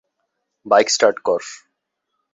Bike start কর।